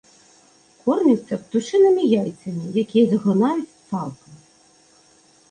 Кормяцца птушынымі яйцамі, якія заглынаюць цалкам.